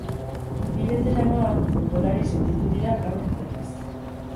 Bi beteranoak futbolari sentitu dira gaur berriz.